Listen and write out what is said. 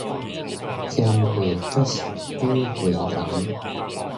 嫌貨才是買貨人